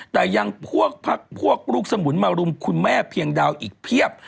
แต่ยังพวกพักพวกลูกสมุนมารุมคุณแม่เพียงดาวอีกเพียบ